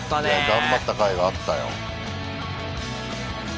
頑張ったかいがあったよ。